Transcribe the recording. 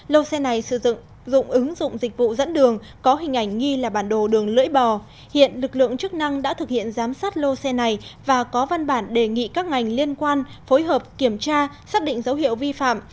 lô xe này sử dụng ứng dụng dịch vụ dẫn đường có hình ảnh nghi là bản đồ đường lưỡi bò hiện lực lượng chức năng đã thực hiện giám sát lô xe này và có văn bản đề nghị các ngành liên quan phối hợp kiểm tra xác định dấu hiệu vi phạm